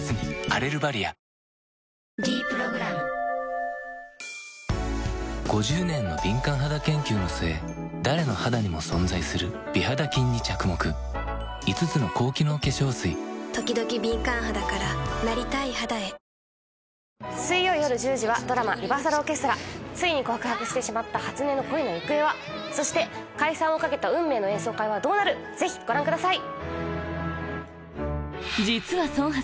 「ｄプログラム」５０年の敏感肌研究の末誰の肌にも存在する美肌菌に着目５つの高機能化粧水ときどき敏感肌からなりたい肌へついに告白した初音の恋の行方は⁉そして解散を懸けた運命の演奏会はどうなる⁉ぜひご覧ください！